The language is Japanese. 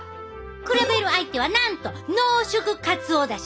比べる相手はなんと濃縮カツオだし！